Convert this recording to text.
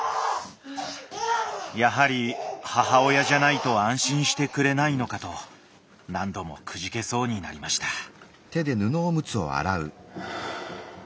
やはり母親じゃないと安心してくれないのかと何度もくじけそうになりましたはぁ。